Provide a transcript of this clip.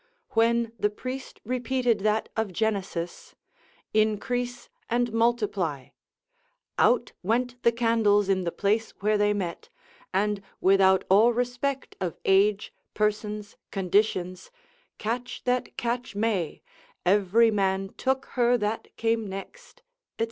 When the priest repeated that of Genesis, Increase and multiply, out went the candles in the place where they met, and without all respect of age, persons, conditions, catch that catch may, every man took her that came next, &c.